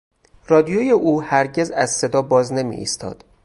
رادیوی او هرگز از صدا باز نمیایستاد.